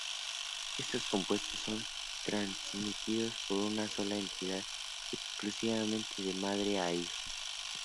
Estos compuestos son transmitidos como una sola entidad exclusivamente de madre a hija.